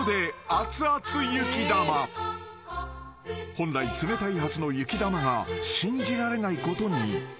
［本来冷たいはずの雪玉が信じられないことに］